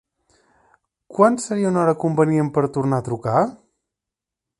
Quan seria una hora convenient per tornar a trucar?